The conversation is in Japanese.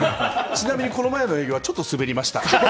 ちなみに、この前の営業はちょっとスベりました。